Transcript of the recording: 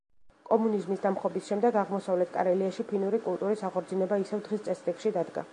კომუნიზმის დამხობის შემდეგ აღმოსავლეთ კარელიაში ფინური კულტურის აღორძინება ისევ დღის წესრიგში დადგა.